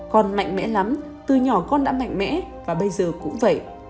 còn mạnh mẽ lắm từ nhỏ con đã mạnh mẽ và bây giờ cũng vậy